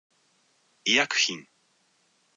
医薬品